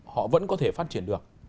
họ vẫn có thể phát triển được